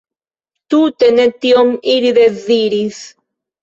Tute ne tion ili deziris.